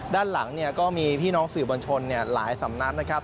ด้านหลังเนี่ยก็มีพี่น้องสื่อบัญชนหลายสำนักนะครับ